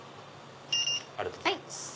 ありがとうございます。